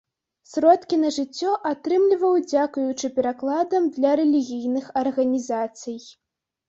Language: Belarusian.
Сродкі на жыццё атрымліваў дзякуючы перакладам для рэлігійных арганізацый.